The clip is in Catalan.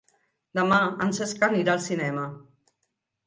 Demà en Cesc anirà al cinema.